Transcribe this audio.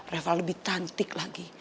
reva lebih cantik lagi